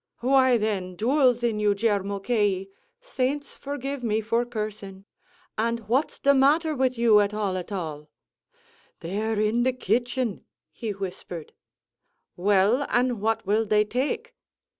"Why, then, duoul's in you, Jer Mulcahy (saints forgive me for cursing!) and what's the matter wid you, at all at all?" "They're in the kitchen," he whispered. "Well, an' what will they take?"